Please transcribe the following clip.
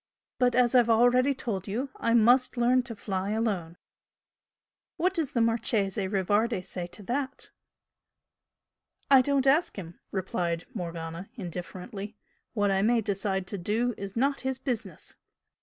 But, as I've already told you, I must learn to fly alone." "What does the Marchese Rivardi say to that?" "I don't ask him!" replied Morgana, indifferently "What I may decide to do is not his business."